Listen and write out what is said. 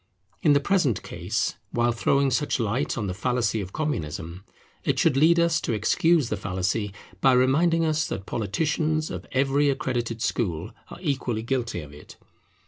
In the present case, while throwing such light on the fallacy of Communism, it should lead us to excuse the fallacy, by reminding us that politicians of every accredited school are equally guilty of it.